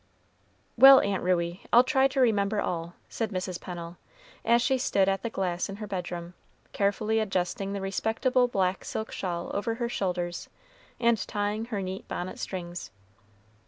"Well, Aunt Ruey, I'll try to remember all," said Mrs. Pennel, as she stood at the glass in her bedroom, carefully adjusting the respectable black silk shawl over her shoulders, and tying her neat bonnet strings.